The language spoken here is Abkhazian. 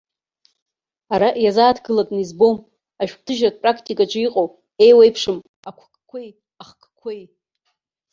Ара иазааҭгылатәны избом ашәҟәҭыжьратә практикаҿы иҟоу еиуеиԥшым ақәкқәеи ахкқәеи.